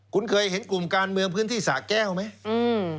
คุณเคยเห็นกลุ่มการเมืองพื้นที่สะแก้วไหม